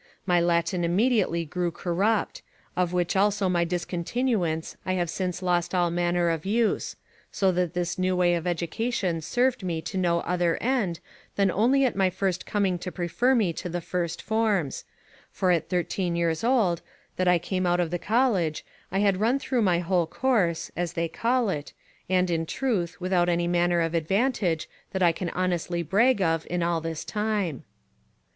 My Latin immediately grew corrupt, of which also by discontinuance I have since lost all manner of use; so that this new way of education served me to no other end, than only at my first coming to prefer me to the first forms; for at thirteen years old, that I came out of the college, I had run through my whole course (as they call it), and, in truth, without any manner of advantage, that I can honestly brag of, in all this time.